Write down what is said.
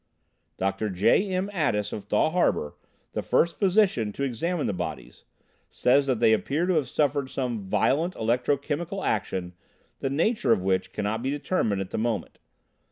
Dr. J. M. Addis of Thaw Harbor, the first physician to examine the bodies, says that they appear to have suffered some violent electro chemical action the nature of which cannot be determined at the moment.